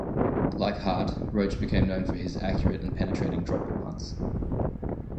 Like Hart, Roach became known for his accurate and penetrating drop punts.